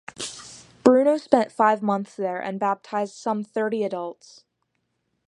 Bruno spent five months there and baptized some thirty adults.